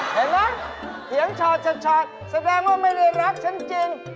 เห็นไหมเขียนชอตแสดงว่าไม่ได้รักฉันจริง